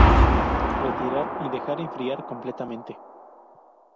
Retirar y dejar enfriar completamente.